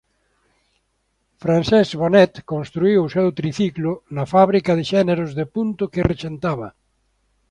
Francesc Bonet construíu o seu triciclo na fábrica de xéneros de punto que rexentaba.